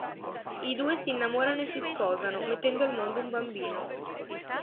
I due si innamorano e si sposano, mettendo al mondo un bambino.